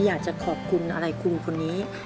อยากจะขอบคุณอะไรคุณคนนี้